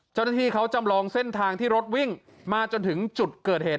เจ้าหน้าที่เขาจำลองเส้นทางที่รถวิ่งมาจนถึงจุดเกิดเหตุ